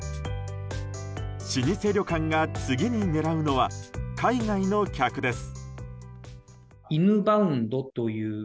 老舗旅館が次に狙うのは海外の客です。